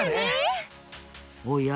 おや？